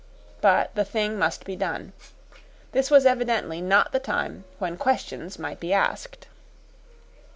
But the thing must be done. This was evidently not the time when questions might be asked.